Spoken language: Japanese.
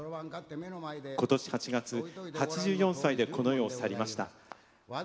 今年８月８４歳でこの世を去りました。